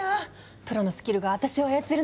プロのスキルが私を操るなんて。